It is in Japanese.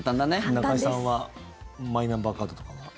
中居さんはマイナンバーカードとかは。